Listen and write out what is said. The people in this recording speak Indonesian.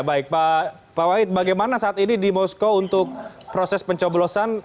baik pak wahid bagaimana saat ini di moskow untuk proses pencoblosan